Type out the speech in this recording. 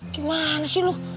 gimana sih lu